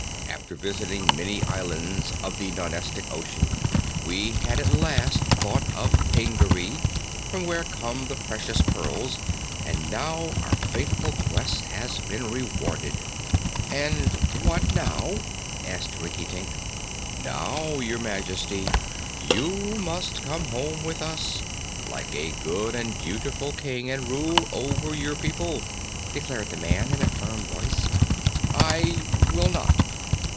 After visiting many islands of the Nonestic Ocean we at last thought of Pingaree, from where come the precious pearls; and now our faithful quest has been rewarded." "And what now?" asked Rinkitink. "Now, Your Majesty, you must come home with us, like a good and dutiful King, and rule over your people," declared the man in a firm voice. "I will not."